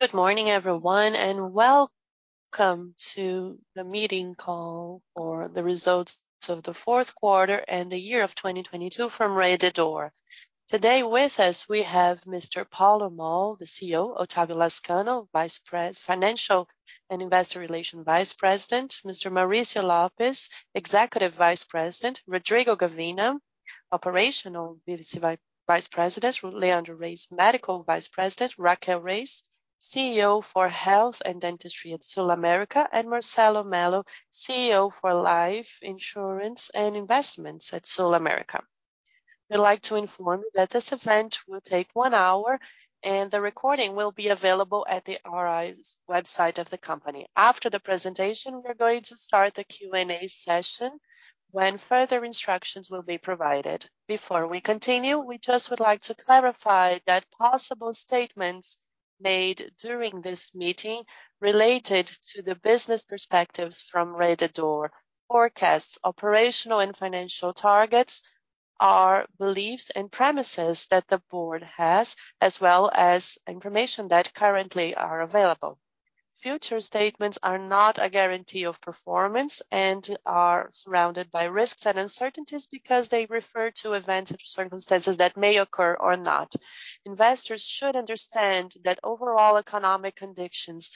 Good morning everyone, welcome to the meeting call for the results of the fourth quarter and the year of 2022 from Rede D'Or. Today with us, we have Mr. Paulo Moll, the CEO; Otávio Lazcano, Financial and Investor Relations Vice President; Mr. Maurício Lopes, Executive Vice President; Rodrigo Gavina, Operational Vice President; Leandro Reis, Medical Vice President; Raquel Reis, CEO for Health and Dentistry at SulAmérica; and Marcelo Mello, CEO for Life Insurance and Investments at SulAmérica. We'd like to inform you that this event will take 1 hour, the recording will be available at the RI website of the company. After the presentation, we're going to start the Q&A session when further instructions will be provided. Before we continue, we just would like to clarify that possible statements made during this meeting related to the business perspectives from Rede D'Or forecasts, operational and financial targets are beliefs and premises that the board has, as well as information that currently are available. Future statements are not a guarantee of performance and are surrounded by risks and uncertainties because they refer to events or circumstances that may occur or not. Investors should understand that overall economic conditions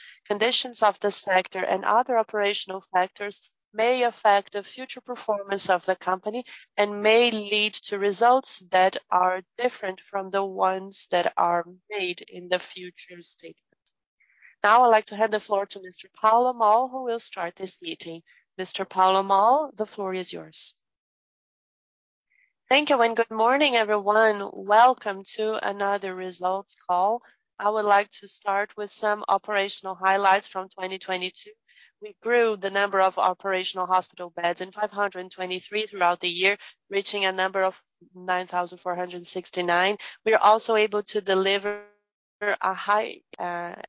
of the sector and other operational factors may affect the future performance of the company and may lead to results that are different from the ones that are made in the future statements. Now I'd like to hand the floor to Mr. Paulo Moll, who will start this meeting. Mr. Paulo Moll, the floor is yours. Thank you and good morning everyone. Welcome to another results call. I would like to start with some operational highlights from 2022. We grew the number of operational hospital beds in 523 throughout the year, reaching a number of 9,469. We are also able to deliver a high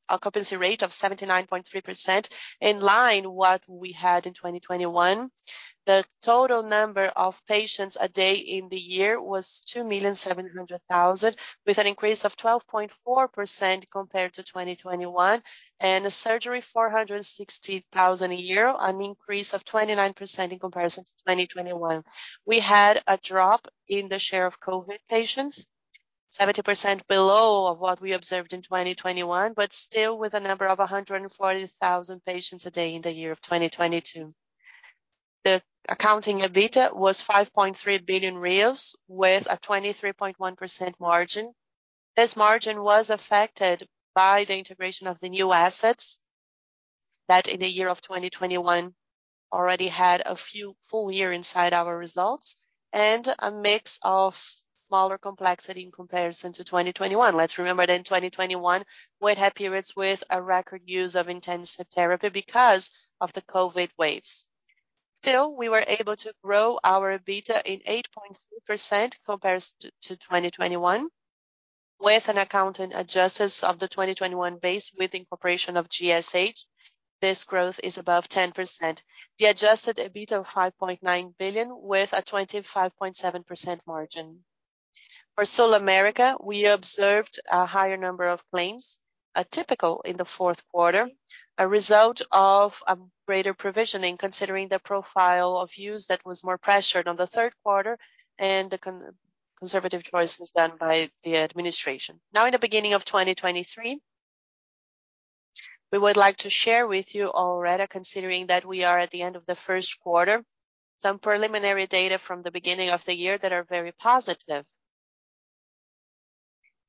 occupancy rate of 79.3%, in line what we had in 2021. The total number of patients a day in the year was 2.7 million with an increase of 12.4% compared to 2021, and a surgery 460,000 a year, an increase of 29% in comparison to 2021. We had a drop in the share of COVID patients, 70% below of what we observed in 2021, but still with a number of 140,000 patients a day in the year of 2022. The accounting EBITDA was 5.3 billion reais with a 23.1% margin. This margin was affected by the integration of the new assets that in the year of 2021 already had a few full year inside our results and a mix of smaller complexity in comparison to 2021. Let's remember that in 2021, we'd had periods with a record use of intensive therapy because of the COVID waves. Still, we were able to grow our EBITDA in 8.3% compared to 2021. With an accountant adjustments of the 2021 base with incorporation of GSH, this growth is above 10%. The Adjusted EBITDA of 5.9 billion with a 25.7% margin. For SulAmérica, we observed a higher number of claims, a typical in the fourth quarter, a result of a greater provisioning considering the profile of use that was more pressured on the third quarter and the conservative choices done by the administration. Now in the beginning of 2023, we would like to share with you already, considering that we are at the end of the first quarter, some preliminary data from the beginning of the year that are very positive.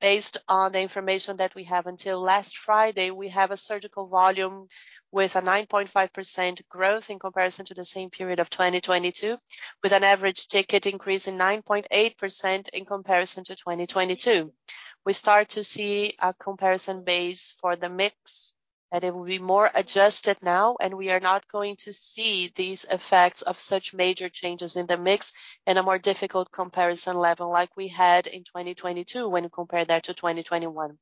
Based on the information that we have until last Friday, we have a surgical volume with a 9.5% growth in comparison to the same period of 2022, with an average ticket increase in 9.8% in comparison to 2022. We start to see a comparison base for the mix, and it will be more adjusted now. We are not going to see these effects of such major changes in the mix in a more difficult comparison level like we had in 2022 when compared there to 2021.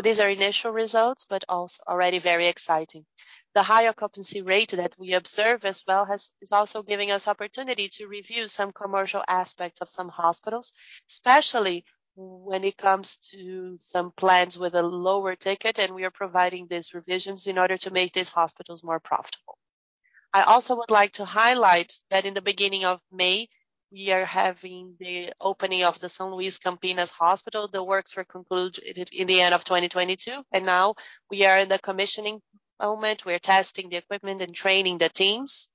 These are initial results, but also already very exciting. The higher occupancy rate that we observe as well is also giving us opportunity to review some commercial aspects of some hospitals, especially when it comes to some plans with a lower ticket and we are providing these revisions in order to make these hospitals more profitable. I also would like to highlight that in the beginning of May, we are having the opening of the São Luiz Campinas Hospital. The works were concluded in the end of 2022. Now we are in the commissioning moment. We're testing the equipment and training the teams.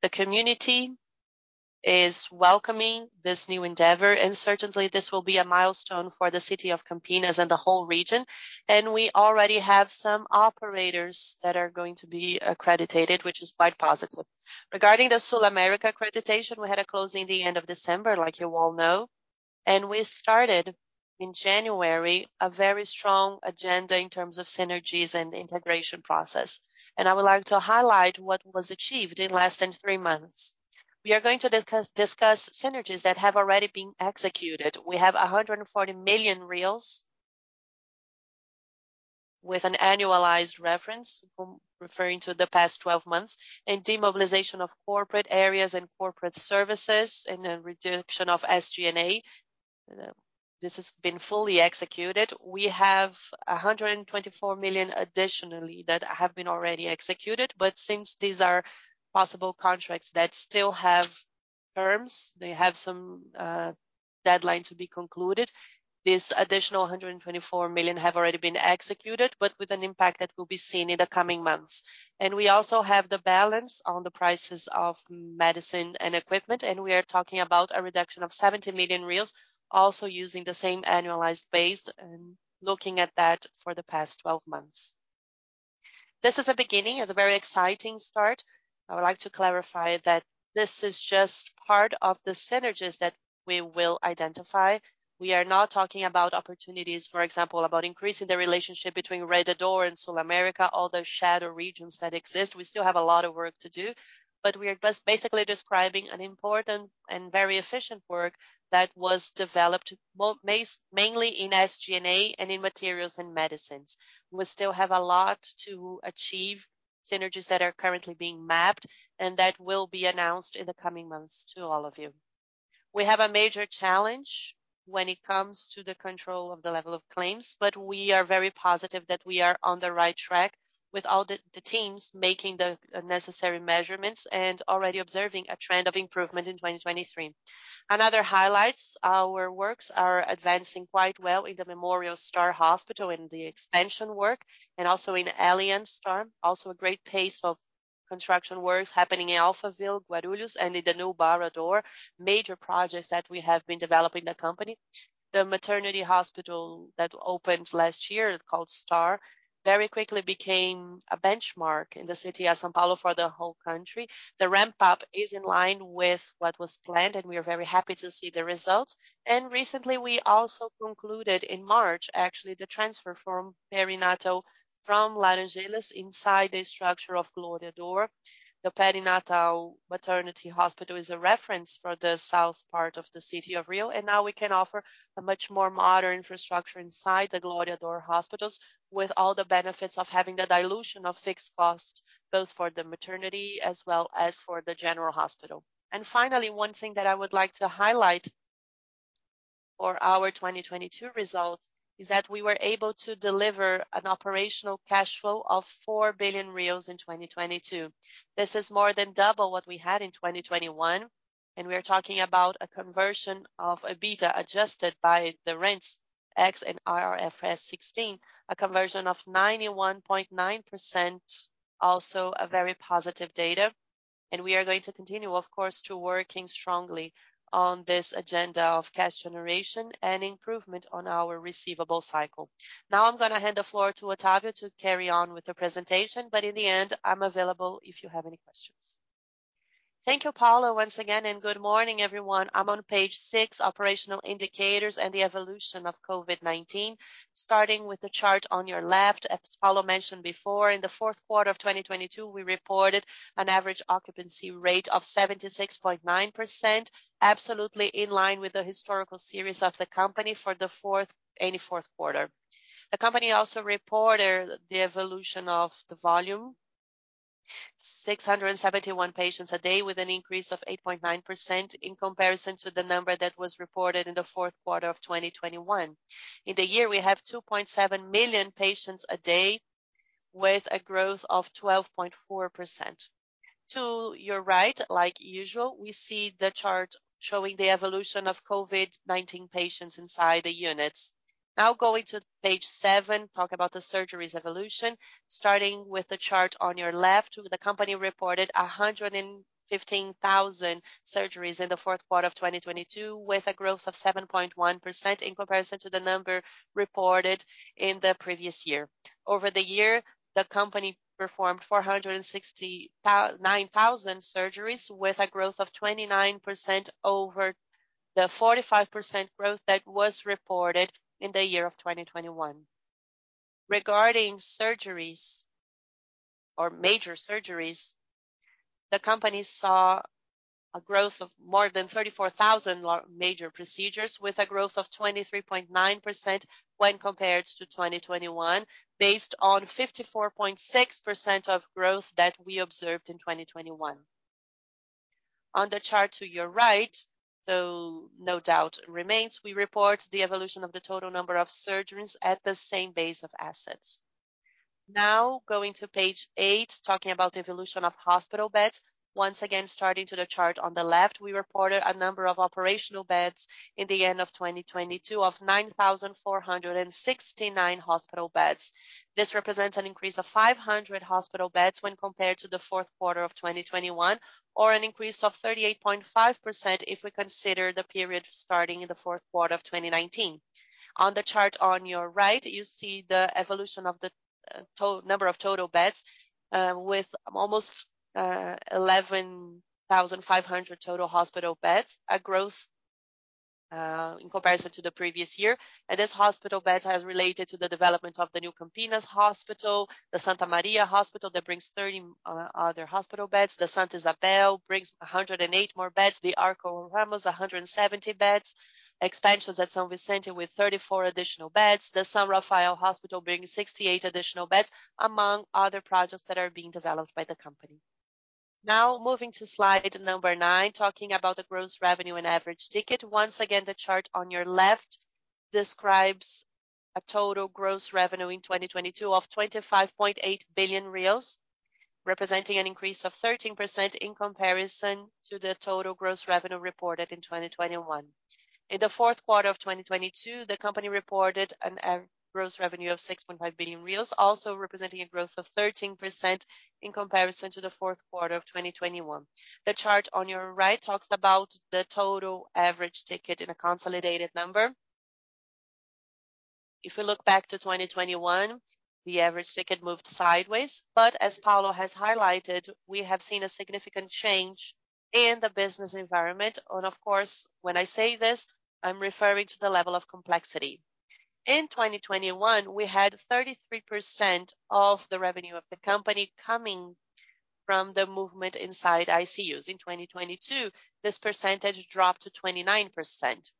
The community is welcoming to this new endeavor. Certainly this will be a milestone for the city of Campinas and the whole region. We already have some operators that are going to be accredited, which is quite positive. Regarding the SulAmérica accreditation, we had a close in the end of December, like you all know, and we started in January a very strong agenda in terms of synergies and integration process. I would like to highlight what was achieved in less than three months. We are going to discuss synergies that have already been executed. We have 140 million with an annualized reference referring to the past 12 months, and demobilization of corporate areas and corporate services and a reduction of SG&A. This has been fully executed. We have 124 million additionally that have been already executed. Since these are possible contracts that still have terms, they have some deadline to be concluded. This additional 124 million have already been executed, but with an impact that will be seen in the coming months. We also have the balance on the prices of medicine and equipment, and we are talking about a reduction of 70 million, also using the same annualized base and looking at that for the past 12 months. This is a beginning. It's a very exciting start. I would like to clarify that this is just part of the synergies that we will identify. We are not talking about opportunities, for example, about increasing the relationship between Rede D'Or and SulAmérica, all the shadow regions that exist. We still have a lot of work to do, but we are just basically describing an important and very efficient work that was developed mainly in SG&A and in materials and medicines. We still have a lot to achieve, synergies that are currently being mapped and that will be announced in the coming months to all of you. We have a major challenge when it comes to the control of the level of claims, we are very positive that we are on the right track with all the teams making the necessary measurements and already observing a trend of improvement in 2023. Another highlights, our works are advancing quite well in the Memorial Star hospital, in the expansion work, and also in Aliança Star, also a great pace of construction works happening in Alphaville, Guarulhos, and in the Novo Barra D'Or. Major projects that we have been developing the company. The maternity hospital that opened last year, called Star, very quickly became a benchmark in the city of São Paulo for the whole country. The ramp-up is in line with what was planned, and we are very happy to see the results. Recently, we also concluded, in March actually, the transfer from Perinatal from Laranjeiras inside the structure of Glória D'Or. The Perinatal Maternity Hospital is a reference for the south part of the city of Rio, and now we can offer a much more modern infrastructure inside the Glória D'Or hospitals, with all the benefits of having the dilution of fixed costs, both for the maternity as well as for the general hospital. Finally, one thing that I would like to highlight for our 2022 results is that we were able to deliver an operational cash flow of 4 billion in 2022. This is more than double what we had in 2021. We are talking about a conversion of EBITDA adjusted by the rents X and IFRS 16. A conversion of 91.9%, also a very positive data. We are going to continue, of course, to working strongly on this agenda of cash generation and improvement on our receivable cycle. I'm gonna hand the floor to Otávio to carry on with the presentation, but in the end, I'm available if you have any questions. Thank you, Paulo, once again, and good morning, everyone. I'm on page six, Operational Indicators and the Evolution of COVID-19. Starting with the chart on your left, as Paulo Moll mentioned before, in the fourth quarter of 2022, we reported an average occupancy rate of 76.9%, absolutely in line with the historical series of the company for any fourth quarter. The company also reported the evolution of the volume, 671 patients a day with an increase of 8.9% in comparison to the number that was reported in the fourth quarter of 2021. In the year, we have 2.7 million patients a day with a growth of 12.4%. To your right, like usual, we see the chart showing the evolution of COVID-19 patients inside the units. Now going to page seven,s talk about the surgeries evolution. Starting with the chart on your left, the company reported 115,000 surgeries in the fourth quarter of 2022, with a growth of 7.1% in comparison to the number reported in the previous year. Over the year, the company performed 469,000 surgeries with a growth of 29% over the 45% growth that was reported in the year of 2021. Regarding surgeries or major surgeries, the company saw a growth of more than 34,000 major procedures with a growth of 23.9% when compared to 2021, based on 54.6% of growth that we observed in 2021. On the chart to your right, so no doubt remains, we report the evolution of the total number of surgeries at the same base of assets. Now going to page eight, talking about the evolution of hospital beds. Once again, starting to the chart on the left, we reported a number of operational beds in the end of 2022 of 9,469 hospital beds. This represents an increase of 500 hospital beds when compared to the fourth quarter of 2021, or an increase of 38.5% if we consider the period starting in the fourth quarter of 2019. On the chart on your right, you see the evolution of the number of total beds, with almost 11,500 total hospital beds, a growth in comparison to the previous year. This hospital beds has related to the development of the new Campinas hospital, the Santa Maria hospital that brings 30 other hospital beds. The Santa Isabel brings 108 more beds. The HCor Ramos, 170 beds. Expansions at São Vicente with 34 additional beds. The São Rafael hospital bringing 68 additional beds, among other projects that are being developed by the company. Now moving to slide nine, talking about the gross revenue and average ticket. Once again, the chart on your left describes a total gross revenue in 2022 of 25.8 billion reais, representing an increase of 13% in comparison to the total gross revenue reported in 2021. In the fourth quarter of 2022, the company reported gross revenue of 6.5 billion reais, also representing a growth of 13% in comparison to the fourth quarter of 2021. The chart on your right talks about the total average ticket in a consolidated number. If we look back to 2021, the average ticket moved sideways. But as Paulo has highlighted, we have seen a significant change in the business environment. Of course, when I say this, I'm referring to the level of complexity. In 2021, we had 33% of the revenue of the company coming from the movement inside ICUs. In 2022, this percentage dropped to 29%.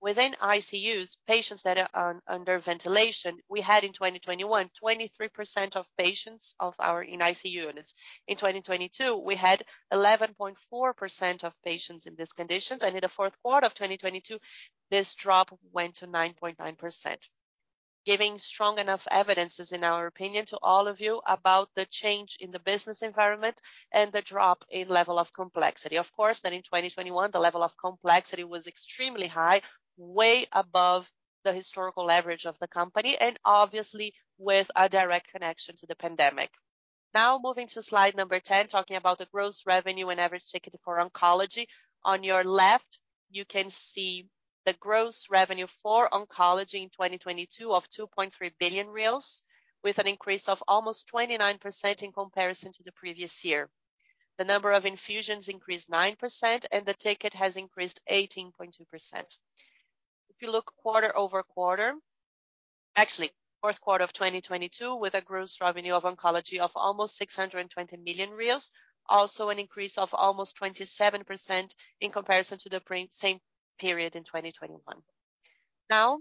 Within ICUs, patients that are under ventilation, we had in 2021, 23% of patients of our ICU units. In 2022, we had 11.4% of patients in these conditions, and in the 4th quarter of 2022, this drop went to 9.9%. Giving strong enough evidences, in our opinion, to all of you about the change in the business environment and the drop in level of complexity. Of course in 2021, the level of complexity was extremely high, way above the historical average of the company, and obviously with a direct connection to the pandemic. Now, moving to slide 10, talking about the gross revenue and average ticket for oncology. On your left, you can see the gross revenue for oncology in 2022 of 2.3 billion reais, with an increase of almost 29% in comparison to the previous year. The number of infusions increased 9% and the ticket has increased 18.2%. If you look quarter-over-quarter, actually fourth quarter of 2022, with a gross revenue of oncology of almost 620 million. An increase of almost 27% in comparison to the same period in 2021.Now,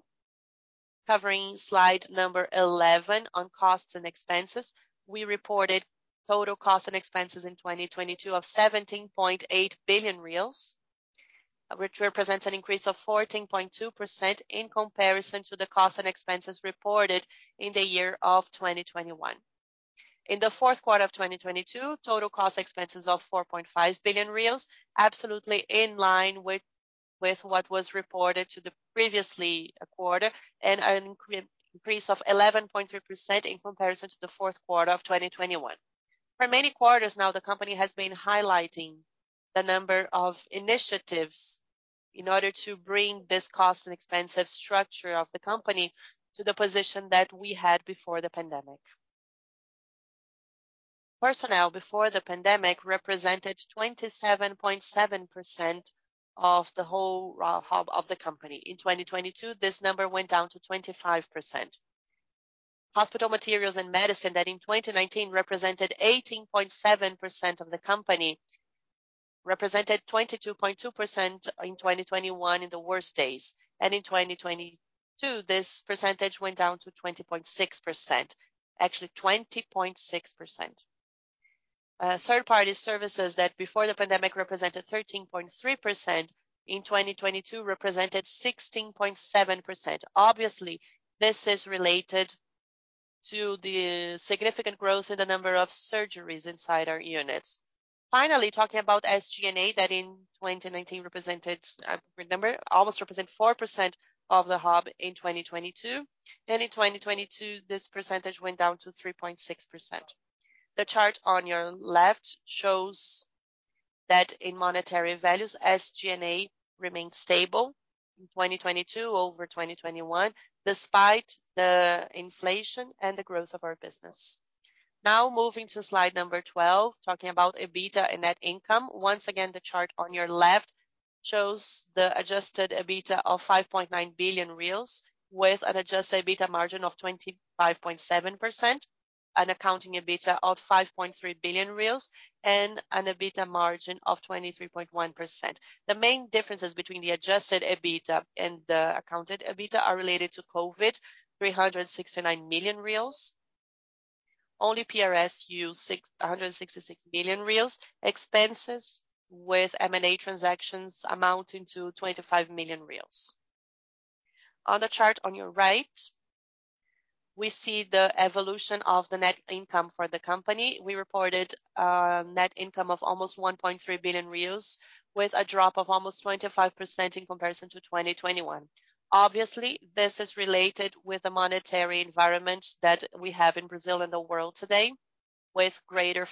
covering slide 11 on costs and expenses. We reported total costs and expenses in 2022 of 17.8 billion reais, which represents an increase of 14.2% in comparison to the cost and expenses reported in the year of 2021. In the fourth quarter of 2022, total cost expenses of 4.5 billion reais, absolutely in line with what was reported to the previously quarter, and an increase of 11.3% in comparison to the fourth quarter of 2021. For many quarters now, the company has been highlighting the number of initiatives in order to bring this cost and expensive structure of the company to the position that we had before the pandemic. Personnel before the pandemic represented 27.7% of the whole hub of the company. In 2022, this number went down to 25%. Hospital materials and medicine that in 2019 represented 18.7% of the company, represented 22.2% in 2021 in the worst days. In 2022, this percentage went down to 20.6%, actually, 20.6%. Third-party services that before the pandemic represented 13.3%, in 2022 represented 16.7%. Obviously, this is related to the significant growth in the number of surgeries inside our units. Finally, talking about SG&A, that in 2019 represented, I remember, almost represent 4% of the hub in 2022. And in 2022, this percentage went down to 3.6%. The chart on your left shows that in monetary values, SG&A remained stable in 2022 over 2021, despite the inflation and the growth of our business. Now, moving to slide number 12, talking about EBITDA and net income. Once again, the chart on your left shows the Adjusted EBITDA of 5.9 billion reais with an Adjusted EBITDA margin of 25.7%, an accounting EBITDA of 5.3 billion reais and an EBITDA margin of 23.1%. The main differences between the Adjusted EBITDA and the accounted EBITDA are related to COVID, 369 million reais. Only PRS used 166 million reais. Expenses with M&A transactions amounting to 25 million reais. On the chart on your right, we see the evolution of the net income for the company. We reported net income of almost 1.3 billion with a drop of almost 25% in comparison to 2021. Obviously, this is related with the monetary environment that we have in Brazil and the world today, with greater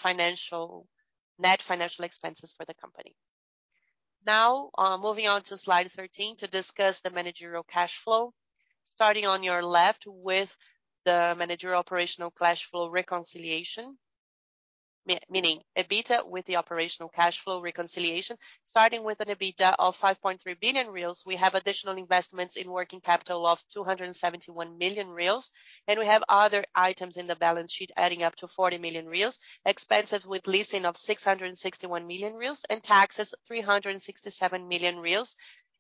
net financial expenses for the company. Moving on to slide 13 to discuss the managerial cash flow. Starting on your left with the managerial operational cash flow reconciliation, meaning EBITDA with the operational cash flow reconciliation. Starting with an EBITDA of 5.3 billion reais, we have additional investments in working capital of 271 million reais, we have other items in the balance sheet adding up to 40 million reais. Expenses with leasing of 661 million reais and taxes, 367 million reais,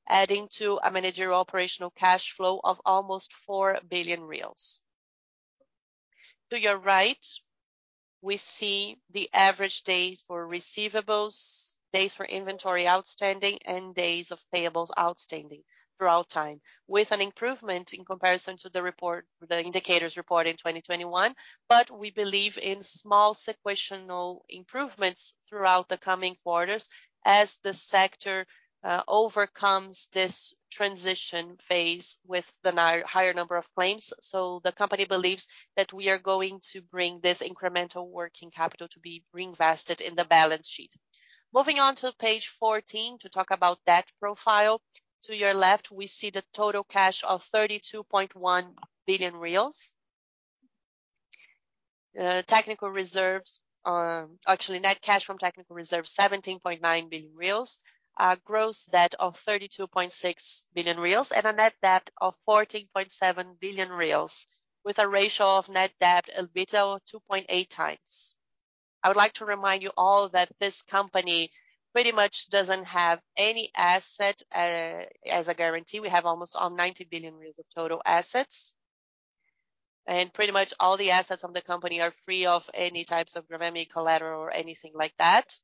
adding to a managerial operational cash flow of almost 4 billion reais. To your right, we see the average days for receivables, days for inventory outstanding, and days of payables outstanding throughout time, with an improvement in comparison to the indicators report in 2021. We believe in small sequential improvements throughout the coming quarters as the sector overcomes this transition phase with the higher number of claims. So the company believes that we are going to bring this incremental working capital to be reinvested in the balance sheet. Moving on to page 14 to talk about debt profile. To your left, we see the total cash of 32.1 billion reais. Technical reserves, actually net cash from technical reserves, 17.9 billion reais. Gross debt of 32.6 billion reais, and a net debt of 14.7 billion reais, with a ratio of net debt EBITDA 2.8x. I would like to remind you all that this company pretty much doesn't have any asset as a guarantee. We have almost 90 billion reais of total assets. And pretty much all the assets of the company are free of any types of gravamen collateral or anything like that.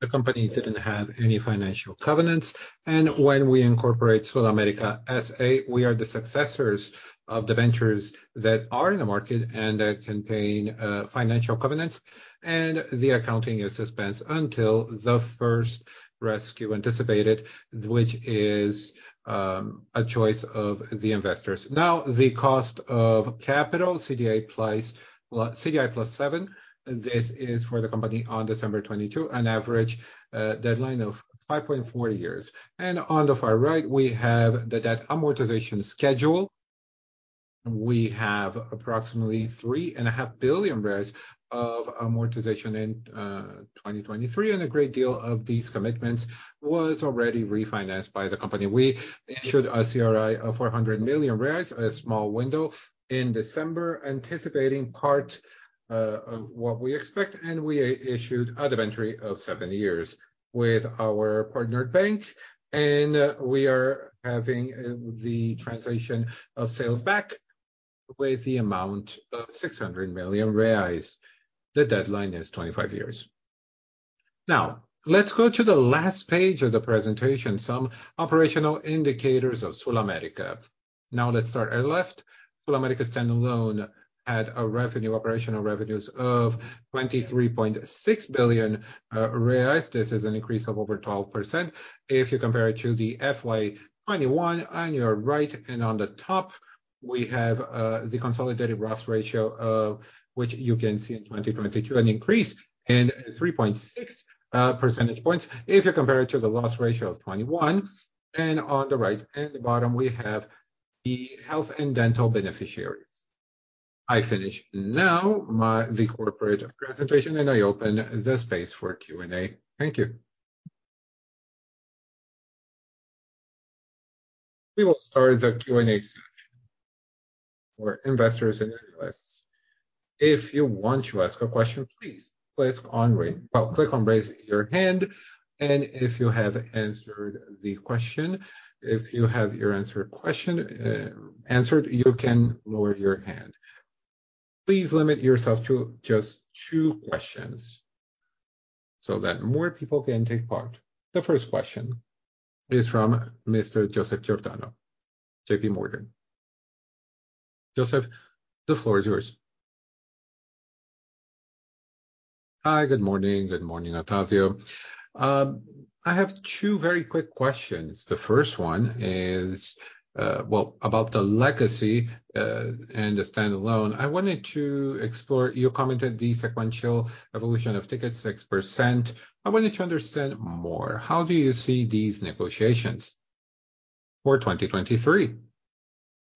The company didn't have any financial covenants, and when we incorporate SulAmérica S.A., we are the successors of the ventures that are in the market and that contain financial covenants, and the accounting is suspense until the first rescue anticipated, which is a choice of the investors. Now, the cost of capital, CDI plus seven, this is for the company on December 22, an average deadline of 5.4 years. On the far right, we have the debt amortization schedule. We have approximately 3.5 billion of amortization in 2023, and a great deal of these commitments was already refinanced by the company. We issued a CRI of 400 million reais, a small window in December, anticipating part of what we expect. We issued a debenture of seven years with our partnered bank. We are having the translation of sales back with the amount of 600 million reais. The deadline is 25 years. Let's go to the last page of the presentation, some operational indicators of SulAmérica. Let's start at left. SulAmérica standalone had operational revenues of 23.6 billion reais. This is an increase of over 12% if you compare it to the FY 2021. On your right and on the top, we have the consolidated loss ratio, which you can see in 2022, an increase in 3.6 percentage points if you compare it to the loss ratio of 21. On the right and the bottom, we have the health and dental beneficiaries. I finish now the corporate presentation, and I open the space for Q&A. Thank you. We will start the Q&A session for investors and analysts. If you want to ask a question, please click on Raise Your Hand. If you have answered the question, if you have your answer question answered, you can lower your hand. Please limit yourself to just two questions so that more people can take part. The first question is from Mr. Joseph Giordano, J.P. Morgan. Joseph, the floor is yours. Hi. Good morning. Good morning, Otávio. I have two very quick questions. The first one is, well, about the legacy and the standalone. I wanted to explore, you commented the sequential evolution of tickets, 6%. I wanted to understand more. How do you see these negotiations for 2023?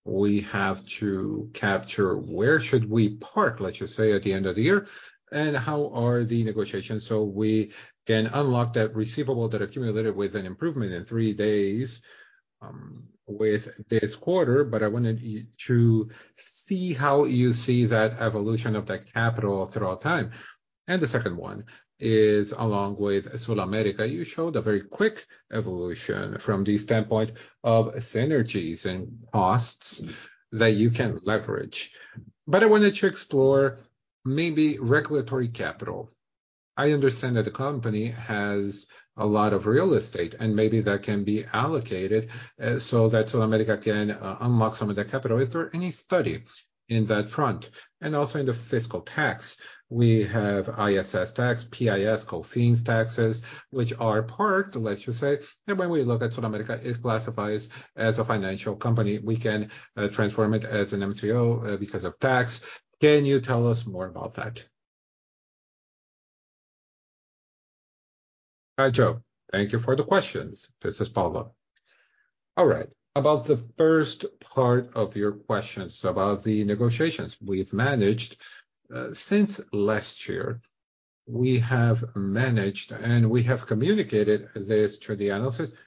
We have to capture where should we park, let's just say, at the end of the year, and how are the negotiations so we can unlock that receivable that accumulated with an improvement in three days with this quarter. I wanted to see how you see that evolution of that capital throughout time. The second one is, along with SulAmérica, you showed a very quick evolution from the standpoint of synergies and costs that you can leverage. But I wanted to explore maybe regulatory capital. I understand that the company has a lot of real estate, and maybe that can be allocated so that SulAmérica can unlock some of that capital. Is there any study in that front? And also in the fiscal tax, we have ISS tax, PIS, COFINS taxes, which are parked, let's just say. When we look at SulAmérica, it classifies as a financial company. We can transform it as an MTO because of tax. Can you tell us more about that? Hi, Joe. Thank you for the questions. This is Paulo. All right. About the first part of your questions about the negotiations. We've managed since last year, we have managed, and we have communicated this to the analysis, unless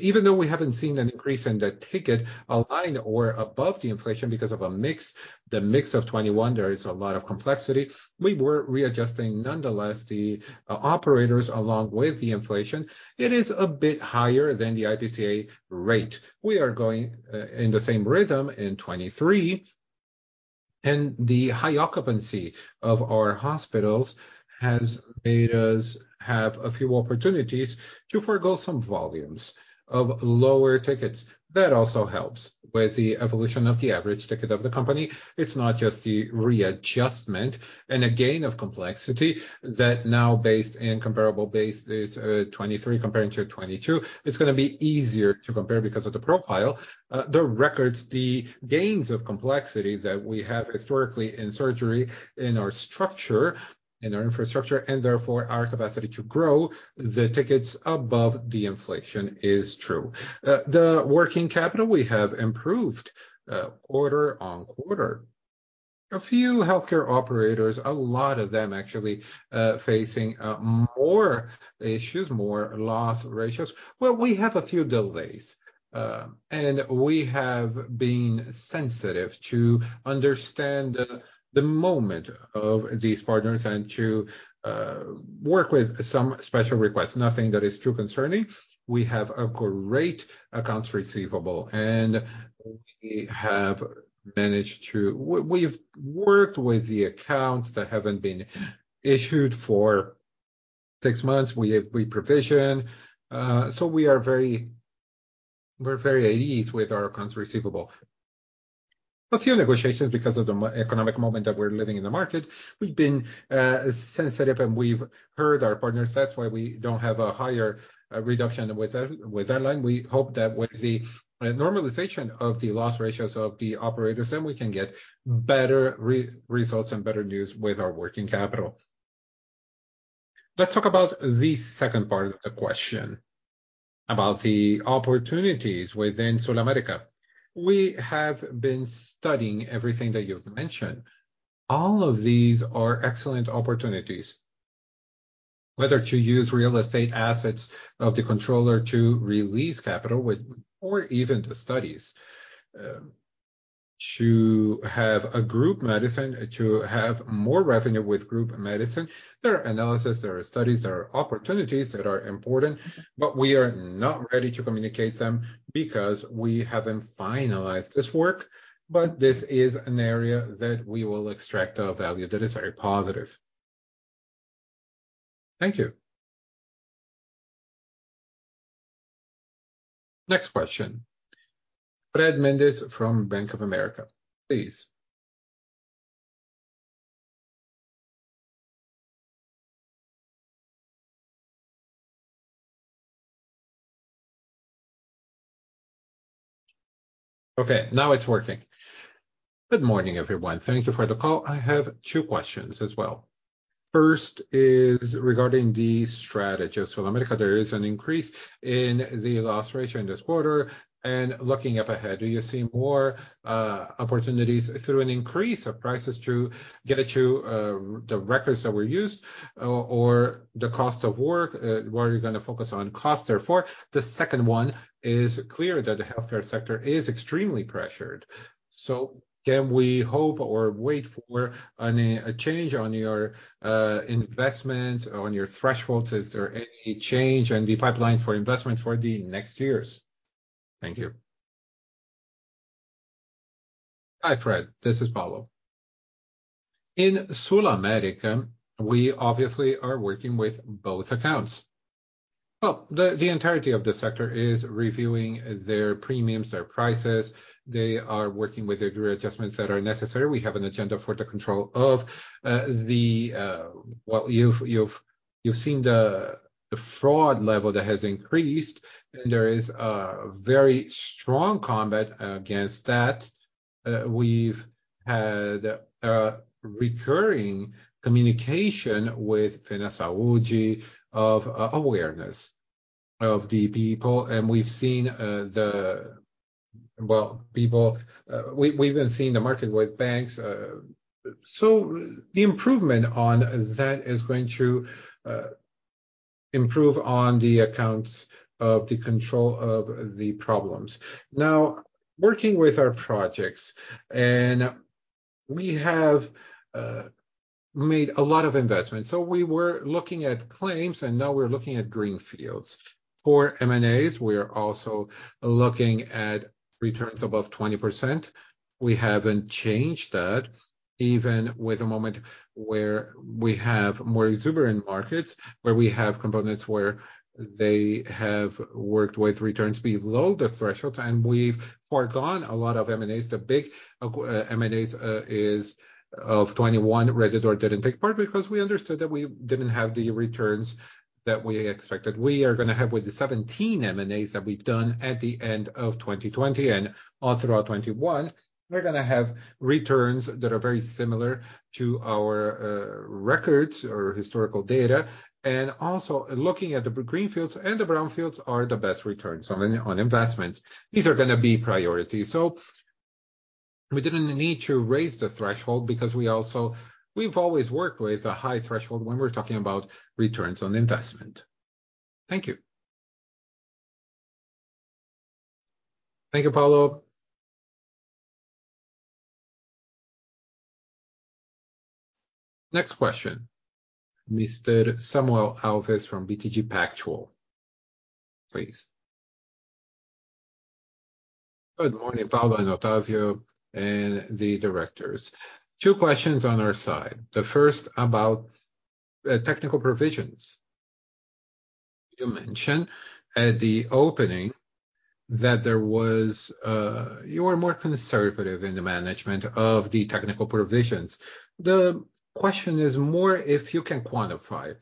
even though we haven't seen an increase in the ticket aligned or above the inflation because of a mix, the mix of 21, there is a lot of complexity. We were readjusting nonetheless the operators along with the inflation. It is a bit higher than the IPCA rate. We are going in the same rhythm in 2023. The high occupancy of our hospitals has made us have a few opportunities to forgo some volumes of lower tickets. That also helps with the evolution of the average ticket of the company. It's not just the readjustment and a gain of complexity that now based in comparable base is 2023 comparing to 2022. It's gonna be easier to compare because of the profile. The records, the gains of complexity that we have historically in surgery, in our structure, in our infrastructure, and therefore our capacity to grow the tickets above the inflation is true. The working capital we have improved quarter-on-quarter. A few healthcare operators, a lot of them actually, facing more issues, more loss ratios. Well, we have a few delays, we have been sensitive to understand the moment of these partners and to work with some special requests. Nothing that is too concerning. We have a great accounts receivable, and we have managed to, we've worked with the accounts that haven't been issued for six months. We provision, we are very, we're very at ease with our accounts receivable. A few negotiations because of the economic moment that we're living in the market. We've been sensitive, we've heard our partners. That's why we don't have a higher reduction with our, with our line. We hope that with the normalization of the loss ratios of the operators, and we can get better results and better news with our working capital. Let's talk about the second part of the question, about the opportunities within SulAmérica. We have been studying everything that you've mentioned. All of these are excellent opportunities, whether to use real estate assets of the controller to release capital with or even the studies to have a group medicine, to have more revenue with group medicine. There are analyses, there are studies, there are opportunities that are important. We are not ready to communicate them because we haven't finalized this work. This is an area that we will extract a value that is very positive. Thank you. Next question. Fred Mendes from Bank of America. Please. Okay, now it's working. Good morning, everyone. Thank you for the call. I have two questions as well. First is regarding the strategy of SulAmérica. There is an increase in the loss ratio in this quarter. Looking up ahead, do you see more opportunities through an increase of prices to get it to the records that were used or the cost of work? Were you gonna focus on cost therefore? The second one is clear that the healthcare sector is extremely pressured, can we hope or wait for a change on your investment, on your thresholds? Is there any change in the pipeline for investments for the next years? Thank you. Hi, Fred. This is Paulo. In SulAmérica, we obviously are working with both accounts. The, the entirety of the sector is reviewing their premiums, their prices. They are working with the readjustments that are necessary. We have an agenda for the control of the, well, you've seen the fraud level that has increased, and there is a very strong combat against that. We've had a recurring communication with FinaSaúde of awareness of the people, and we've seen, well, people, we've been seeing the market with banks. The improvement on that is going to improve on the accounts of the control of the problems. Now, working with our projects, and we have made a lot of investments. We were looking at claims, and now we're looking at greenfields. For M&As, we are also looking at returns above 20%. We haven't changed that even with a moment where we have more exuberant markets, where we have components where they have worked with returns below the threshold, and we've forgone a lot of M&As. The big M&As is of 2021. Rede D'Or didn't take part because we understood that we didn't have the returns that we expected. We are gonna have with the 17 M&As that we've done at the end of 2020 and all throughout 2021, we're gonna have returns that are very similar to our records or historical data. Also looking at the greenfields and the brownfields are the best returns on investments. These are gonna be priorities. We didn't need to raise the threshold because we've always worked with a high threshold when we're talking about returns on investment. Thank you. Thank you, Paulo. Next question. Mr. Samuel Alves from BTG Pactual. Please. Good morning, Paulo and Otávio and the directors. Two questions on our side. The first about technical provisions. You mentioned at the opening that there was, you were more conservative in the management of the technical provisions. The question is more if you can quantify,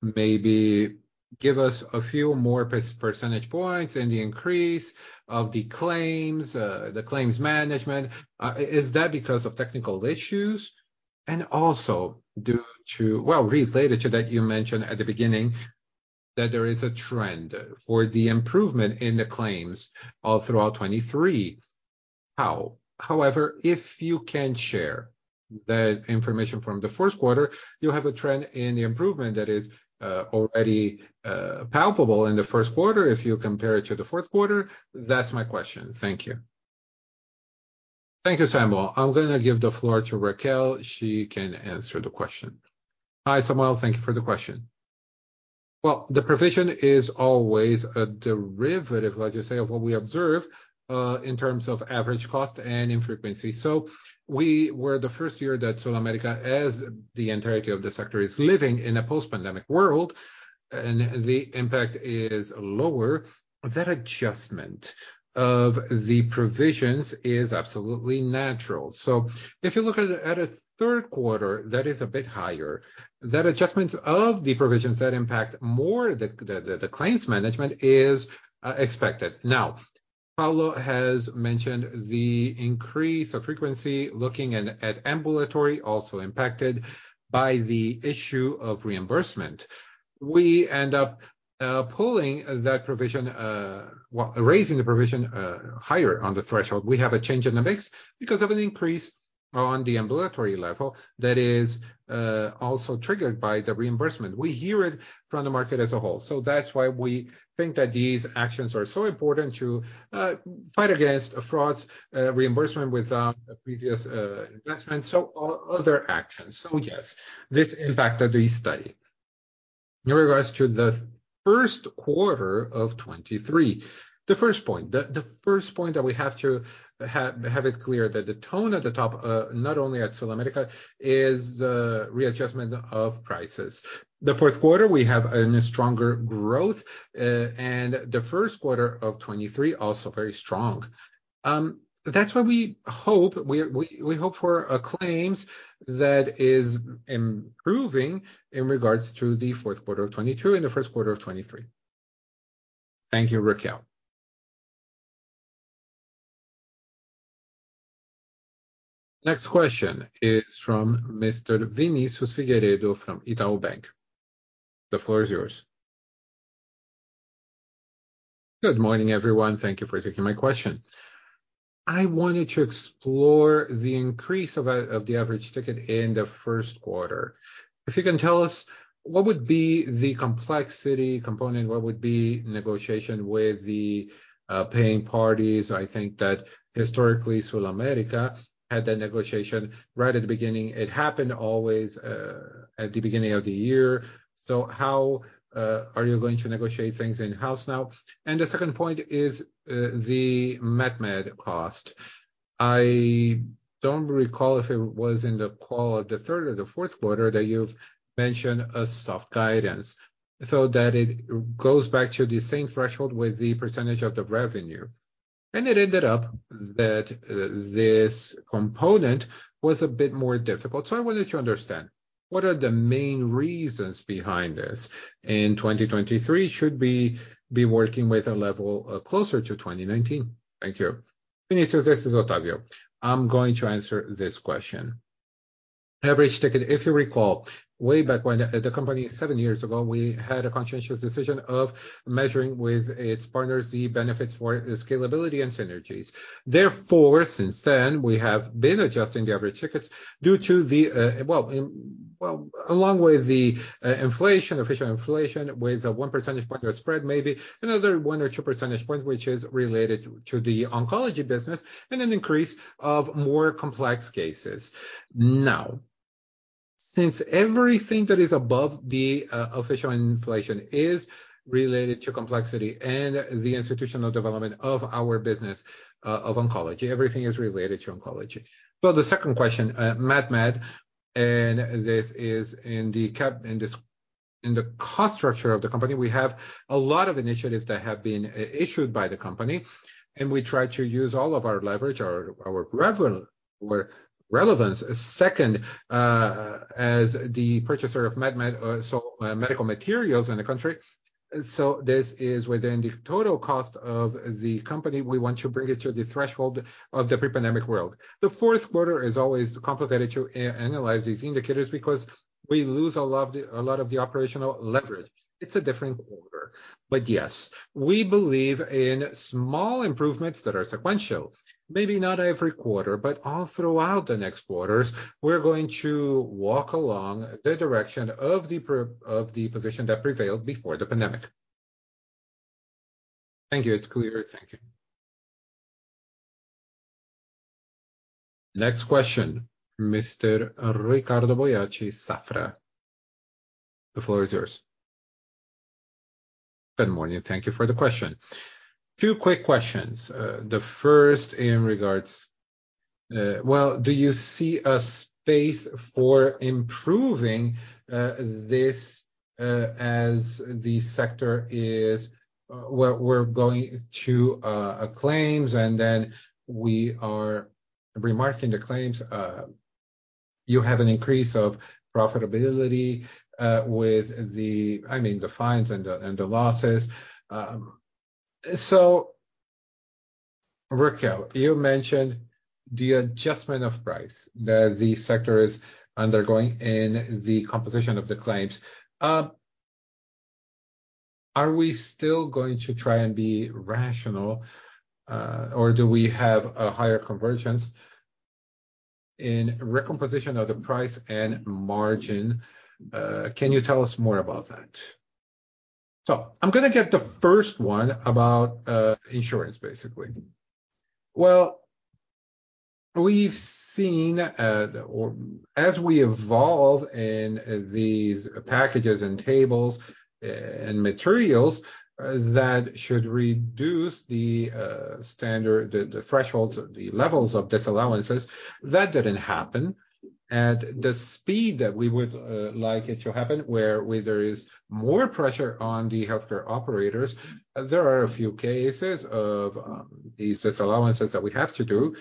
maybe give us a few more percentage points in the increase of the claims, the claims management. Is that because of technical issues? And also, well, related to that, you mentioned at the beginning that there is a trend for the improvement in the claims all throughout 2023. How? If you can share the information from the first quarter, you have a trend in the improvement that is already palpable in the first quarter if you compare it to the fourth quarter. That's my question. Thank you. Thank you, Samuel. I'm gonna give the floor to Raquel. She can answer the question. Hi, Samuel. Thank you for the question. Well, the provision is always a derivative, like you say, of what we observe in terms of average cost and infrequency. So we were the first year that SulAmérica, as the entirety of the sector, is living in a post-pandemic world, and the impact is lower. That adjustment of the provisions is absolutely natural. So if you look at a third quarter that is a bit higher, that adjustment of the provisions that impact more the claims management is expected. Now, Paulo has mentioned the increase of frequency looking at ambulatory, also impacted by the issue of reimbursement. We end up pulling that provision, well, raising the provision higher on the threshold. We have a change in the mix because of an increase on the ambulatory level that is also triggered by the reimbursement. We hear it from the market as a whole. That's why we think that these actions are so important to fight against frauds, reimbursement without previous investment, so all other actions. Yes, this impacted the study. In regards to the first quarter of 2023. The first point. The first point that we have to have it clear that the tone at the top, not only at SulAmérica, is the readjustment of prices. The fourth quarter we have an stronger growth, and the first quarter of 2023, also very strong. That's why we hope for a claims that is improving in regards to the fourth quarter of 2022 and the first quarter of 2023. Thank you, Raquel. Next question is from Mr. Vinicius Figueiredo from Itaú BBA. The floor is yours. Good morning, everyone. Thank you for taking my question. I wanted to explore the increase of the average ticket in the first quarter. If you can tell us what would be the complexity component, what would be negotiation with the paying parties. I think that historically SulAmérica had that negotiation right at the beginning. It happened always at the beginning of the year. How are you going to negotiate things in-house now? The second point is the MatMed cost. I don't recall if it was in the call of the third or the fourth quarter that you've mentioned a soft guidance, so that it goes back to the same threshold with the percentage of the revenue. It ended up that this component was a bit more difficult. So, I wanted to understand, what are the main reasons behind this? In 2023 should be working with a level closer to 2019. Thank you Vinicius, this is Otávio. I'm going to answer this question. Average ticket, if you recall, way back when, at the company seven years ago, we had a conscientious decision of measuring with its partners the benefits for scalability and synergies. Since then we have been adjusting the average tickets due to the, well, along with the inflation, official inflation with a one percentage point of spread, maybe another one or two percentage points, which is related to the oncology business and an increase of more complex cases. Now, since everything that is above the official inflation is related to complexity and the institutional development of our business of oncology, everything is related to oncology. The second question, MatMed, and this is in the cost structure of the company, we have a lot of initiatives that have been issued by the company, and we try to use all of our leverage or our relevance. Second, as the purchaser of MatMed, so medical materials in the country. So this is within the total cost of the company. We want to bring it to the threshold of the pre-pandemic world. The fourth quarter is always complicated to analyze these indicators because we lose a lot of the operational leverage. It's a different quarter. But yes, we believe in small improvements that are sequential. Maybe not every quarter, but all throughout the next quarters, we're going to walk along the direction of the position that prevailed before the pandemic. Thank you. It's clear. Thank you. Next question, Mr. Ricardo Boiati Safra, the floor is yours. Good morning. Thank you for the question. Two quick questions. The first in regards, do you see a space for improving this as the sector is where we're going to claims and then we are remarketing the claims, you have an increase of profitability with the, I mean, the fines and the, and the losses. Raquel, you mentioned the adjustment of price that the sector is undergoing in the composition of the claims. Are we still going to try and be rational or do we have a higher convergence in recomposition of the price and margin? Can you tell us more about that? I'm gonna get the first one about insurance, basically. Well we',ve seen as we evolve in these packages and tables and materials that should reduce the standard, the thresholds, the levels of disallowances. That didn't happen at the speed that we would like it to happen, where there is more pressure on the healthcare operators. There are a few cases of these disallowances that we have to do,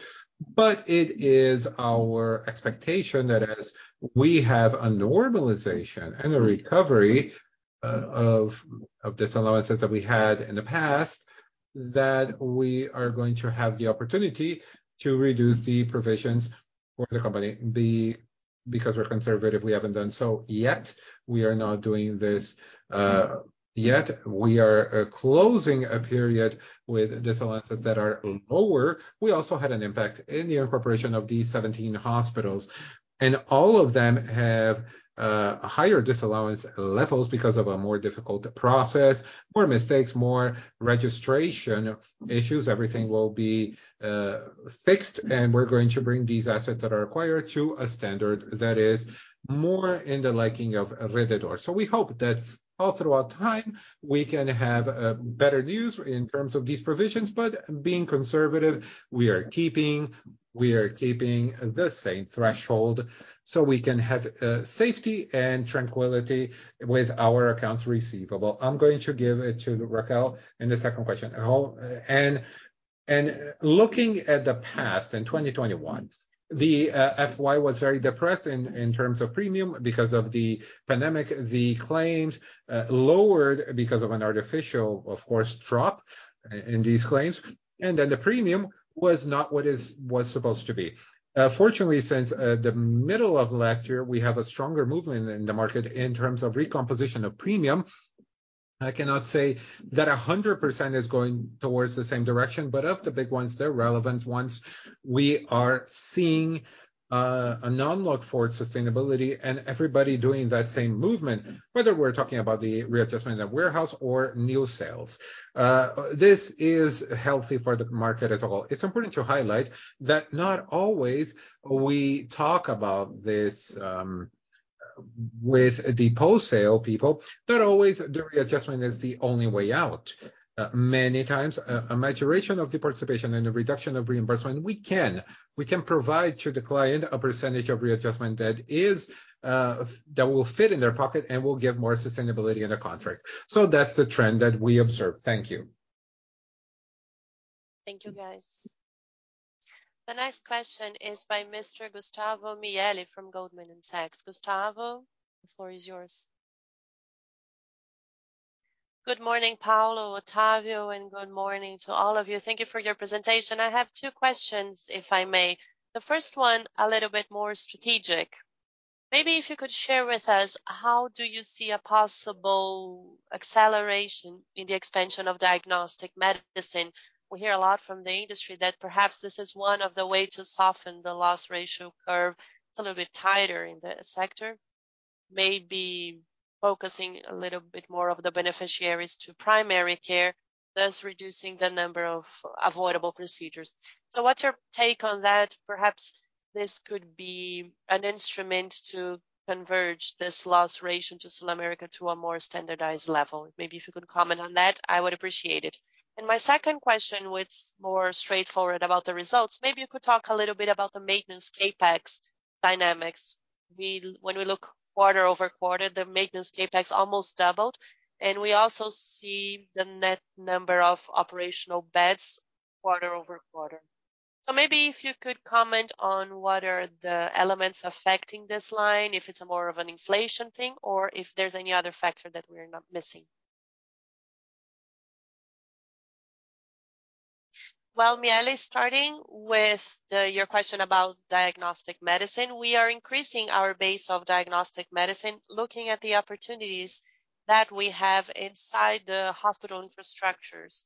it is our expectation that as we have a normalization and a recovery of disallowances that we had in the past, that we are going to have the opportunity to reduce the provisions for the company. Because we're conservative, we haven't done so yet. We are not doing this yet. We are closing a period with disallowances that are lower. We also had an impact in the incorporation of these 17 hospitals, and all of them have higher disallowance levels because of a more difficult process, more mistakes, more registration issues. Everything will be fixed, and we're going to bring these assets that are acquired to a standard that is more in the liking of Rede D'Or. We hope that all throughout time we can have better news in terms of these provisions. Being conservative, we are keeping the same threshold so we can have safety and tranquility with our accounts receivable. I'm going to give it to Raquel in the second question. Looking at the past, in 2021, the FY was very depressed in terms of premium because of the pandemic. The claims lowered because of an artificial, of course, drop in these claims, then the premium was not what was supposed to be. Fortunately, since the middle of last year, we have a stronger movement in the market in terms of recomposition of premium. I cannot say that 100% is going towards the same direction, but of the big ones, the relevant ones, we are seeing a non-look-forward sustainability and everybody doing that same movement, whether we're talking about the readjustment of warehouse or new sales. This is healthy for the market as a whole. It's important to highlight that not always we talk about this with the post-sale people, that always the readjustment is the only way out. Many times a maturation of the participation and a reduction of reimbursement, we can provide to the client a percentage of readjustment that is, that will fit in their pocket and will give more sustainability in the contract. That's the trend that we observe. Thank you. Thank you, guys. The next question is by Mr. Gustavo Miele from Goldman Sachs. Gustavo, the floor is yours. Good morning, Paulo, Otávio. Good morning to all of you. Thank you for your presentation. I have two questions, if I may. The first one a little bit more strategic. If you could share with us how do you see a possible acceleration in the expansion of diagnostic medicine? We hear a lot from the industry that perhaps this is one of the way to soften the loss ratio curve. It's a little bit tighter in the sector. Maybe focusing a little bit more of the beneficiaries to primary care, thus reducing the number of avoidable procedures. What's your take on that? Perhaps this could be an instrument to converge this loss ratio to SulAmérica to a more standardized level. If you could comment on that, I would appreciate it. My second question was more straightforward about the results. Maybe you could talk a little bit about the maintenance CapEx dynamics. When we look quarter-over-quarter, the maintenance CapEx almost doubled, and we also see the net number of operational beds quarter-over-quarter. Maybe if you could comment on what are the elements affecting this line, if it's more of an inflation thing or if there's any other factor that we're not missing? Well, Miele, starting with the, your question about diagnostic medicine, we are increasing our base of diagnostic medicine, looking at the opportunities that we have inside the hospital infrastructures.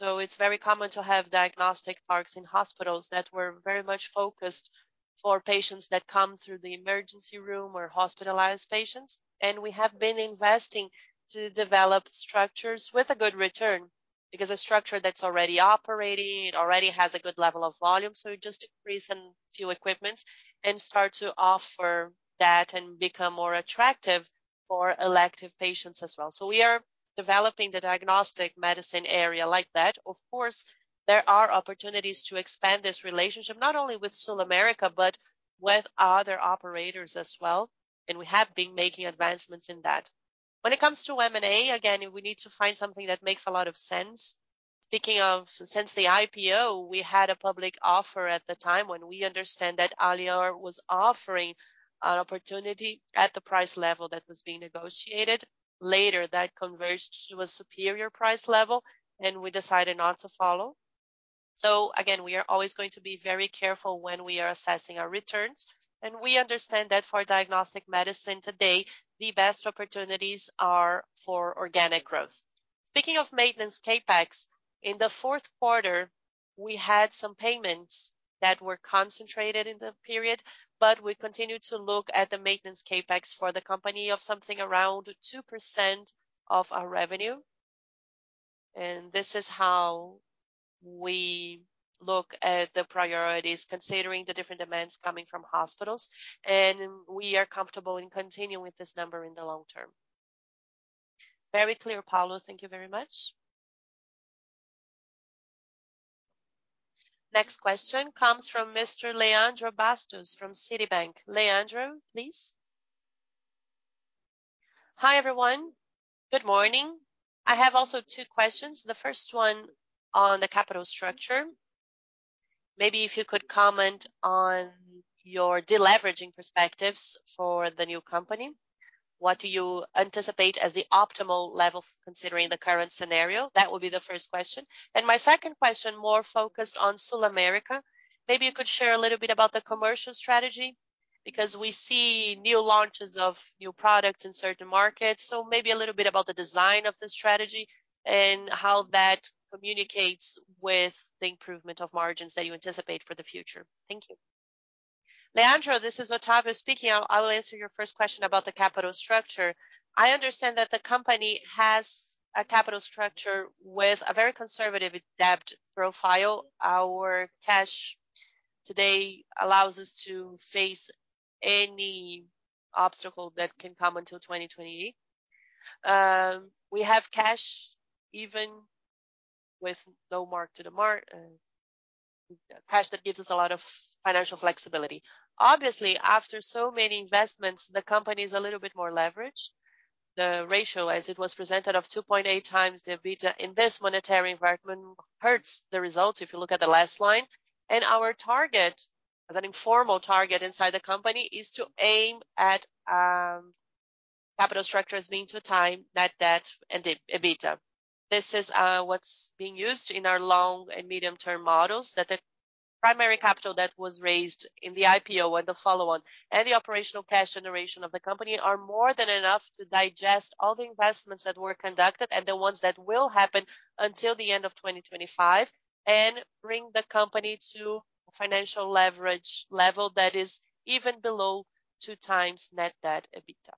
It's very common to have diagnostic parks in hospitals that were very much focused for patients that come through the emergency room or hospitalized patients. We have been investing to develop structures with a good return, because a structure that's already operating already has a good level of volume. You just increase in few equipments and start to offer that and become more attractive for elective patients as well. We are developing the diagnostic medicine area like that. Of course, there are opportunities to expand this relationship, not only with SulAmérica, but with other operators as well, and we have been making advancements in that. When it comes to M&A, again, we need to find something that makes a lot of sense. Speaking of, since the IPO, we had a public offer at the time when we understand that Alliar was offering an opportunity at the price level that was being negotiated. Later, that converged to a superior price level, and we decided not to follow. Again, we are always going to be very careful when we are assessing our returns. We understand that for diagnostic medicine today, the best opportunities are for organic growth. Speaking of maintenance CapEx, in the fourth quarter, we had some payments that were concentrated in the period. But we continue to look at the maintenance CapEx for the company of something around 2% of our revenue. And this is how we look at the priorities considering the different demands coming from hospitals. And we are comfortable in continuing with this number in the long term. Very clear, Paulo. Thank you very much. Next question comes from Mr. Leandro Bastos from Citibank. Leandro, please. Hi, everyone. Good morning. I have also two questions, the first one on the capital structure. Maybe if you could comment on your deleveraging perspectives for the new company. What do you anticipate as the optimal level considering the current scenario? That would be the first question. My second question, more focused on SulAmérica. Maybe you could share a little bit about the commercial strategy, because we see new launches of new products in certain markets. So maybe a little bit about the design of the strategy and how that communicates with the improvement of margins that you anticipate for the future. Thank you. Leandro, this is Otávio speaking. I will answer your first question about the capital structure. I understand that the company has a capital structure with a very conservative debt profile. Our cash today allows us to face any obstacle that can come until 2020. We have cash even with no mark to the market cash that gives us a lot of financial flexibility. Obviously, after so many investments, the company is a little bit more leveraged. The ratio, as it was presented of 2.8x The EBITDA in this monetary environment hurts the results if you look at the last line. Our target, as an informal target inside the company, is to aim at capital structure as being 2x net debt and EBITDA. This is what's being used in our long and medium-term models, that the primary capital that was raised in the IPO and the follow-on and the operational cash generation of the company are more than enough to digest all the investments that were conducted and the ones that will happen until the end of 2025 and bring the company to a financial leverage level that is even below 2x net debt EBITDA.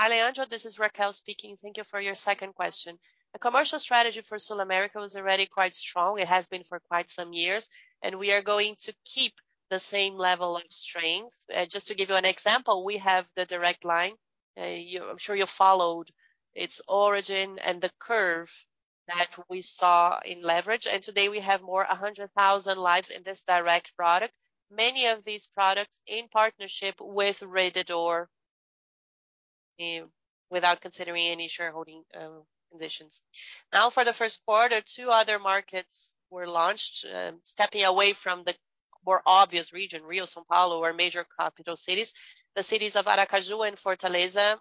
Alejandro, this is Raquel speaking. Thank you for your second question. The commercial strategy for SulAmérica was already quite strong. It has been for quite some years, and we are going to keep the same level of strength. Just to give you an example, we have the direct line. I'm sure you followed its origin and the curve that we saw in leverage. Today we have more 100,000 lives in this direct product. Many of these products in partnership with Rede D'Or, without considering any shareholding conditions. Now, for the first quarter, two other markets were launched, stepping away from the more obvious region, Rio, São Paulo, our major capital cities. The cities of Aracaju and Fortaleza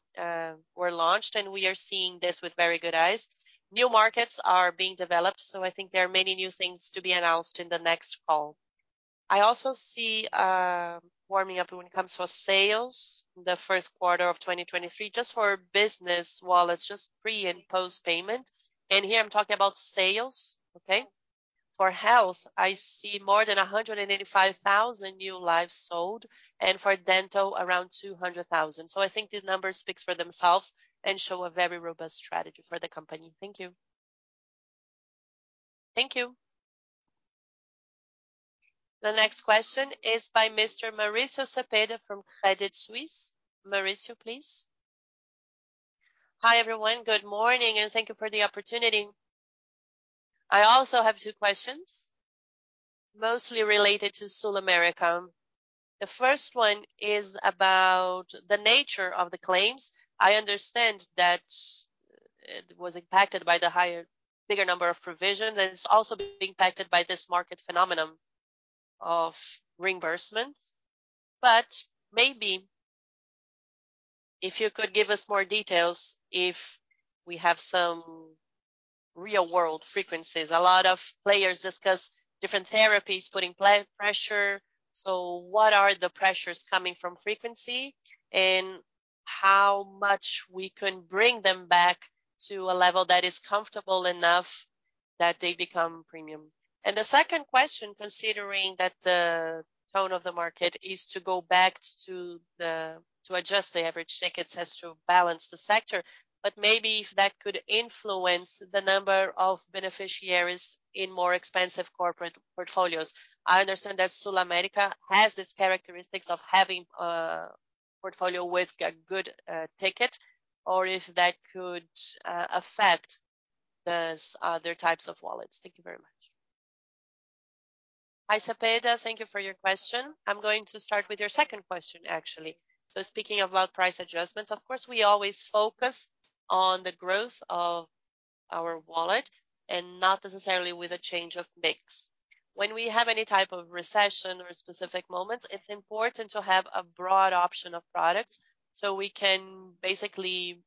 were launched. We are seeing this with very good eyes. New markets are being developed. I think there are many new things to be announced in the next call. I also see a warming up when it comes to sales the first quarter of 2023, just for business wallets, just pre and post-payment. Here I'm talking about sales, okay? For health, I see more than 185,000 new lives sold, and for dental, around 200,000. I think these numbers speak for themselves and show a very robust strategy for the company. Thank you. Thank you. The next question is by Mr. Mauricio Cepeda from Credit Suisse. Mauricio, please. Hi, everyone. Good morning, and thank you for the opportunity. I also have two questions, mostly related to SulAmérica. The first one is about the nature of the claims. I understand that it was impacted by the bigger number of provisions, and it's also being impacted by this market phenomenon of reimbursements. But maybe if you could give us more details, if we have some real-world frequencies. A lot of players discuss different therapies putting pressure. What are the pressures coming from frequency and how much we can bring them back to a level that is comfortable enough that they become premium? The second question, considering that the tone of the market is to go back to adjust the average tickets as to balance the sector, but maybe if that could influence the number of beneficiaries in more expensive corporate portfolios. I understand that SulAmérica has this characteristics of having a portfolio with a good ticket, or if that could affect those other types of wallets? Thank you very much. Hi, Cepeda. Thank you for your question. I'm going to start with your second question, actually. Speaking about price adjustments, of course, we always focus on the growth of our wallet and not necessarily with a change of mix. When we have any type of recession or specific moments, it's important to have a broad option of products, so we can basically,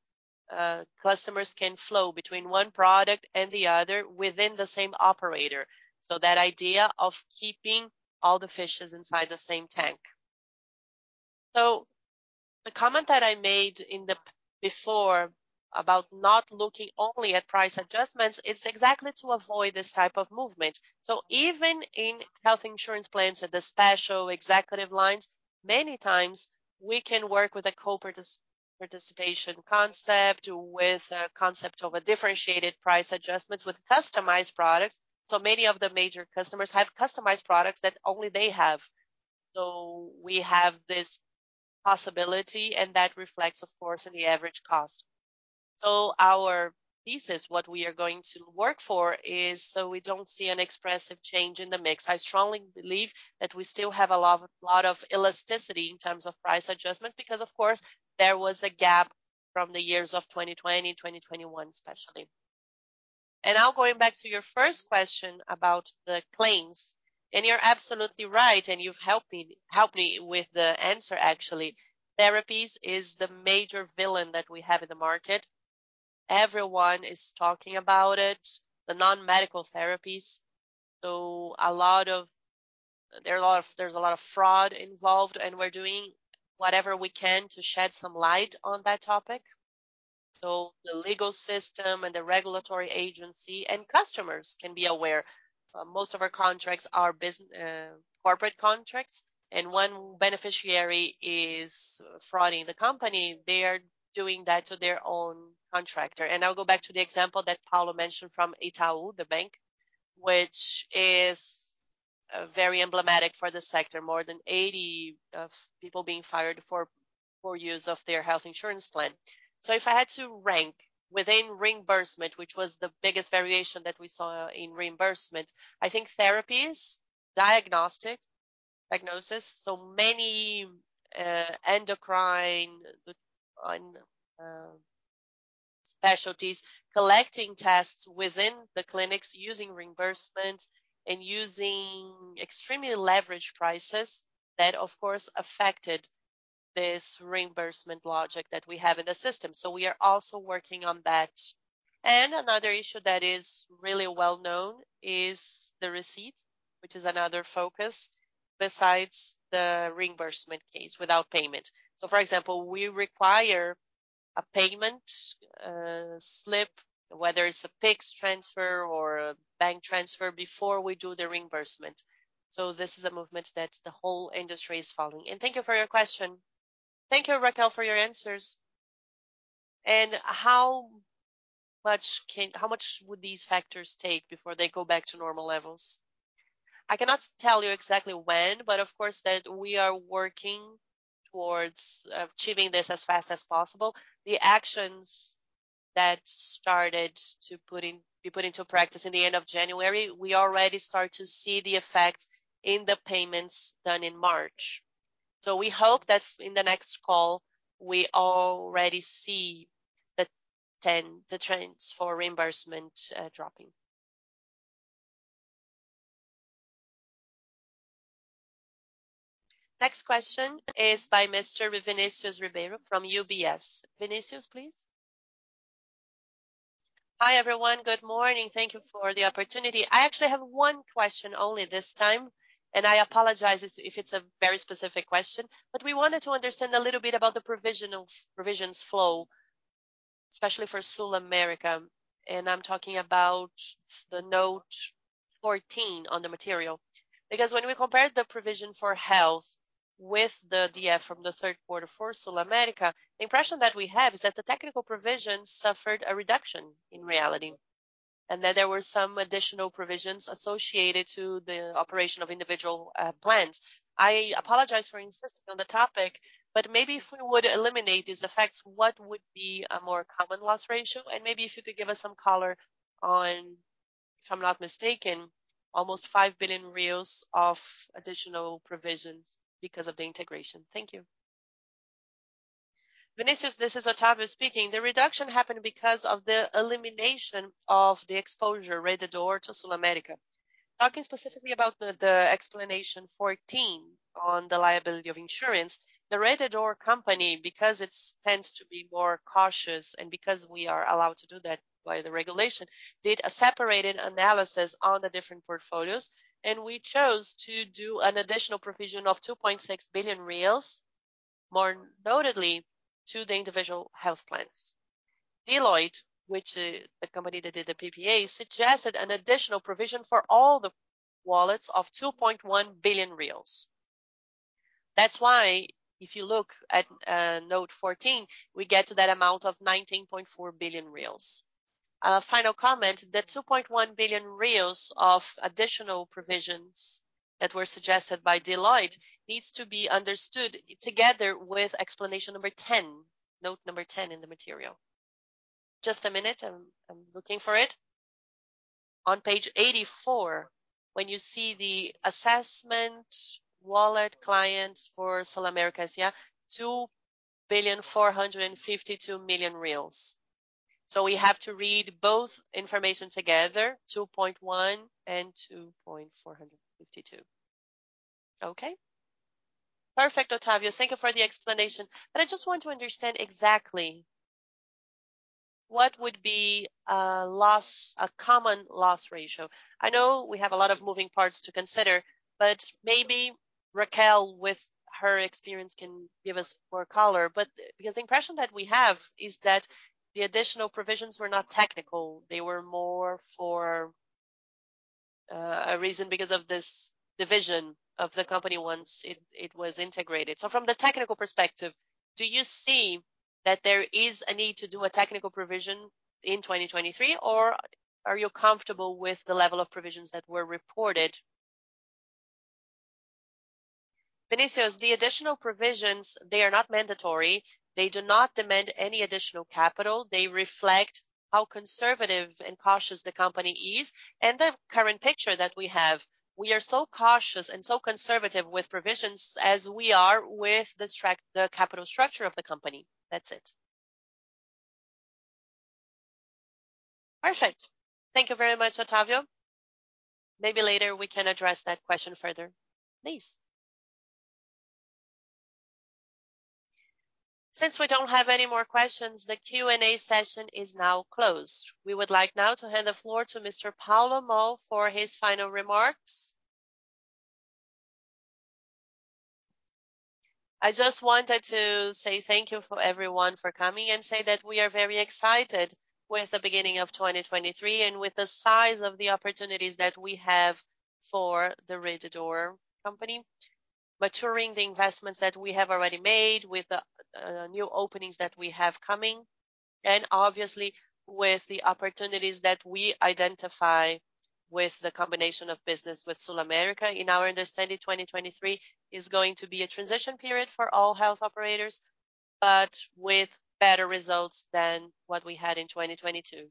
customers can flow between one product and the other within the same operator. So that idea of keeping all the fishes inside the same tank. The comment that I made before about not looking only at price adjustments, it's exactly to avoid this type of movement. Even in health insurance plans at the special executive lines, many times we can work with a co-participation concept or with a concept of a differentiated price adjustments with customized products. So many of the major customers have customized products that only they have. We have this possibility, and that reflects, of course, in the average cost. So our thesis, what we are going to work for is we don't see an expressive change in the mix. I strongly believe that we still have a lot of elasticity in terms of price adjustment because of course, there was a gap from the years of 2020, 2021 especially. And now going back to your first question about the claims, and you're absolutely right, and you've helped me with the answer, actually. Therapies is the major villain that we have in the market. Everyone is talking about it, the non-medical therapies. Though a lot, there's a lot of fraud involved, and we're doing whatever we can to shed some light on that topic. The legal system and the regulatory agency and customers can be aware. Most of our contracts are corporate contracts, and one beneficiary is frauding the company, they are doing that to their own contractor. I'll go back to the example that Paulo mentioned from Itaú, the bank, which is very emblematic for the sector. More than 80 people being fired for poor use of their health insurance plan. If I had to rank within reimbursement, which was the biggest variation that we saw in reimbursement, I think therapies, diagnostic, diagnosis, so many endocrine on specialties, collecting tests within the clinics using reimbursement and using extremely leveraged prices that, of course, affected this reimbursement logic that we have in the system. We are also working on that. And another issue that is really well known is the receipt, which is another focus besides the reimbursement case without payment. So, for example, we require a payment slip, whether it's a Pix transfer or a bank transfer before we do the reimbursement. This is a movement that the whole industry is following. Thank you for your question. Thank you, Raquel, for your answers. How much would these factors take before they go back to normal levels? I cannot tell you exactly when, but of course that we are working towards achieving this as fast as possible. The actions that started to be put into practice in the end of January, we already start to see the effect in the payments done in March. We hope that in the next call, we already see the trends for reimbursement dropping. Next question is by Mr. Vinicius Ribeiro from UBS. Vinicius, please. Hi, everyone. Good morning. Thank you for the opportunity. I actually have one question only this time, and I apologize if it's a very specific question, but we wanted to understand a little bit about the provisions flow, especially for SulAmérica. I'm talking about the note 14 on the material. When we compare the provision for health with the DF from the third quarter for SulAmérica, the impression that we have is that the technical provision suffered a reduction in reality, and that there were some additional provisions associated to the operation of individual plans. I apologize for insisting on the topic, maybe if we would eliminate these effects, what would be a more common loss ratio? Maybe if you could give us some color on, if I'm not mistaken, almost 5 billion reais of additional provisions because of the integration. Thank you. Vinicius, this is Otávio speaking. The reduction happened because of the elimination of the exposure, Rede D'Or, to SulAmérica. Talking specifically about the explanation 14 on the liability of insurance, the Rede D'Or company, because it tends to be more cautious and because we are allowed to do that by the regulation, did a separate analysis on the different portfolios, and we chose to do an additional provision of 2.6 billion reais, more notably to the individual health plans. Deloitte, which the company that did the PPA, suggested an additional provision for all the wallets of 2.1 billion reais. That's why if you look at note 14, we get to that amount of 19.4 billion reais. Final comment, the 2.1 billion reais of additional provisions that were suggested by Deloitte needs to be understood together with explanation number 10, note 10 in the material. Just a minute. I'm looking for it. On page 84, when you see the assessment wallet clients for SulAmérica is, 2.452 billion. We have to read both information together, 2.1 and 2.452. Okay. Perfect. Otávio, thank you for the explanation. I just want to understand exactly what would be a common loss ratio. I know we have a lot of moving parts to consider, but maybe Raquel, with her experience, can give us more color, but. The impression that we have is that the additional provisions were not technical. They were more for a reason because of this division of the company once it was integrated. From the technical perspective, do you see that there is a need to do a technical provision in 2023, or are you comfortable with the level of provisions that were reported? Vinicius, the additional provisions, they are not mandatory. They do not demand any additional capital. They reflect how conservative and cautious the company is and the current picture that we have. We are so cautious and so conservative with provisions as we are with the capital structure of the company. That's it. Perfect. Thank you very much, Otávio. Maybe later we can address that question further. Please. Since we don't have any more questions, the Q&A session is now closed. We would like now to hand the floor to Mr. Paulo Moll for his final remarks. I just wanted to say thank you for everyone for coming and say that we are very excited with the beginning of 2023 and with the size of the opportunities that we have for the Rede D'Or company, maturing the investments that we have already made with the new openings that we have coming, and obviously with the opportunities that we identify with the combination of business with SulAmérica. In our understanding, 2023 is going to be a transition period for all health operators, but with better results than what we had in 2022.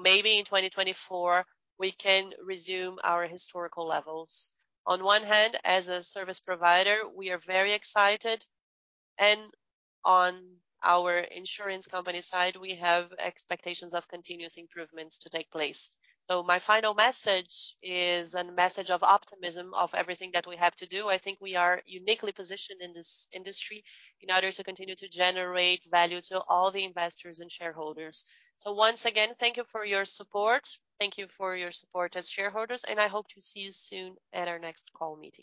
Maybe in 2024 we can resume our historical levels. On one hand, as a service provider, we are very excited, and on our insurance company side, we have expectations of continuous improvements to take place. My final message is a message of optimism of everything that we have to do. I think we are uniquely positioned in this industry in order to continue to generate value to all the investors and shareholders. Once again, thank you for your support. Thank you for your support as shareholders, and I hope to see you soon at our next call meeting.